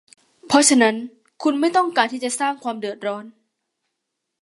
เพราะฉะนั้น คุณไม่ต้องการที่จะสร้างความเดือดร้อน